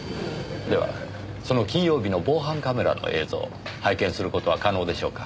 ではその金曜日の防犯カメラの映像を拝見する事は可能でしょうか？